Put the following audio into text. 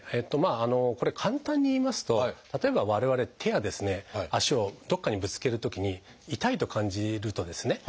これ簡単に言いますと例えば我々手や足をどっかにぶつけるときに痛いと感じるとですね